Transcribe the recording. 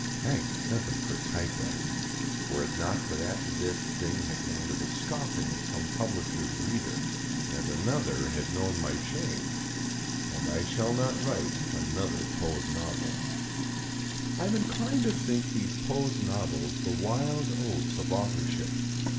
(Thank Heaven for typewriting! Were it not for that, this thing had gone to the scoffing of some publisher's reader, and another had known my shame.) And I shall not write another pose novel. I am inclined to think these pose novels the wild oats of authorship.